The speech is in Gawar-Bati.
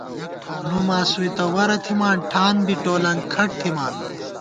نُو ماسوئےتہ وَرہ تھِمان ٹھان بی ٹولَنگ کھٹ تھِمان